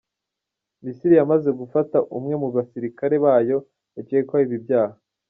Misiri yamaze gufata umwe mu basirikare bayo bakekwaho ibi byaha.